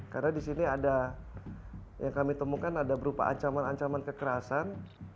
karena di sini ada yang kami temukan ada berupa ancaman ancaman kekerasan